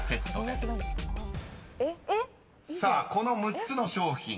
［さあこの６つの商品］